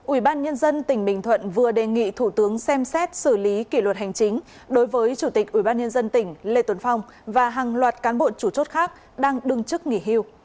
ủy ban nhân dân tỉnh bình thuận vừa đề nghị thủ tướng xem xét xử lý kỷ luật hành chính đối với chủ tịch ủy ban nhân dân tỉnh lê tuấn phong và hàng loạt cán bộ chủ chốt khác đang đương chức nghỉ hưu